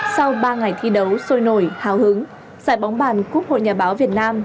sau ba ngày thi đấu sôi nổi hào hứng giải bóng bàn cúc hội nhà báo việt nam